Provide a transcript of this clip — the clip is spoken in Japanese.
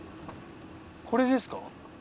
これですか？